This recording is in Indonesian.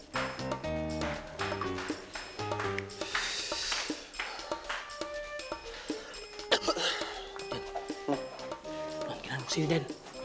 kinar kesini dan